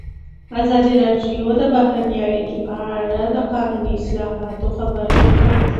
ازادي راډیو د بهرنۍ اړیکې په اړه د قانوني اصلاحاتو خبر ورکړی.